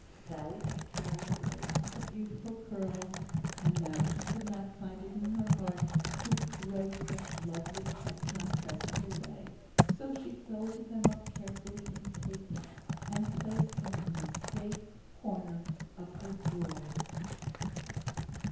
Sally had carried away the beautiful curls, and she could not find it in her heart to throw such lovely chestnut tresses away, so she folded them up carefully in paper, and placed them in a safe corner of her drawer.